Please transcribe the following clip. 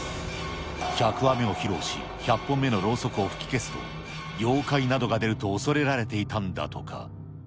１００話目を披露し、１００本目のろうそくを吹き消すと、妖怪などが出ると恐れられていたんだとか。